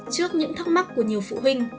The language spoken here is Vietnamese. trước những thắc mắc của nhiều phụ huynh